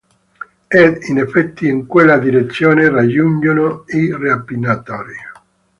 Ed in effetti in quella direzione raggiungono i rapinatori.